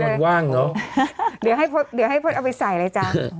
ทางงานว่างเนอะเดี๋ยวเอาไว้ใส่เลยจ้า